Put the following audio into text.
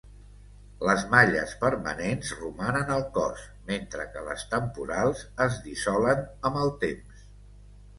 Les malles permanents romanen al cos, mentre que les temporals es dissolen amb el temps.